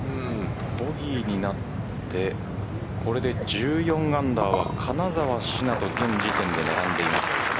ボギーになってこれで１４アンダーは金澤志奈と現時点で並んでいます。